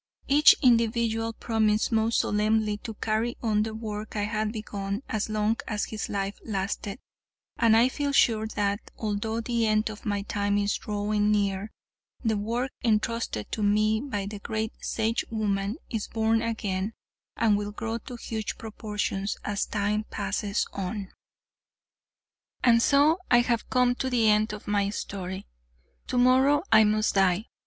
Each individual promised most solemnly to carry on the work I had begun as long as his life lasted, and I feel sure that, although the end of my time is drawing near, the work entrusted to me by the great Sagewoman is born again, and will grow to huge proportions as time passes on. And so I have come to the end of my story. Tomorrow I must die.